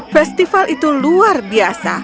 festival itu luar biasa